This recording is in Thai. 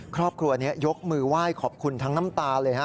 ครอบครัวนี้ยกมือไหว้ขอบคุณทั้งน้ำตาเลยฮะ